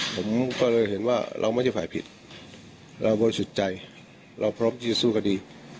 ผมก็เลยเห็นว่าเราไม่ใช่ฝ่ายผิดเราบริสุทธิ์ใจเราพร้อมที่จะสู้คดี